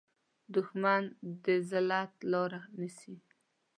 دښمن د ذلت لاره نیسي